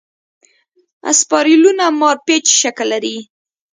اسپایرلونه مارپیچ شکل لري.